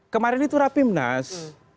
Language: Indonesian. kemarin itu rapimnas